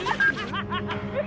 「ハハハハハ！」